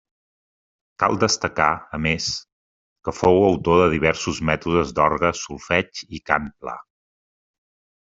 Cal destacar, a més, que fou autor de diversos mètodes d'orgue, solfeig i cant pla.